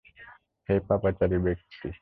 হে পাপাচারী ব্যক্তি!